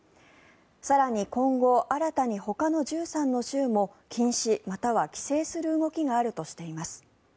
更に、今後新たにほかの１３の州も禁止または規制する動きがあるとしています。